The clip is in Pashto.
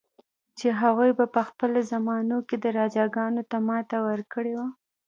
چې هغوی په پخوا زمانو کې راجاګانو ته ماته ورکړې وه.